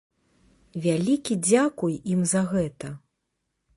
Вялікі дзякуй ім за гэта.